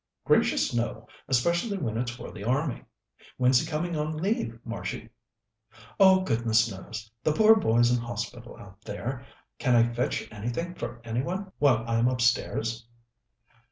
"Gracious, no! Especially when it's for the Army. When's he coming on leave, Marshie?" "Oh, goodness knows! The poor boy's in hospital out there. Can I fetch anything for any one while I'm upstairs?"